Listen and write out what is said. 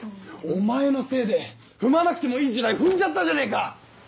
お前のせいで踏まなくてもいい地雷踏んじゃったじゃねえか！